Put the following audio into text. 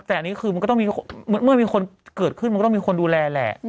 แต่แบบนี้ก็คือเมื่อมีคนเกิดขึ้นก็ต้องมีคนดูแลแหละ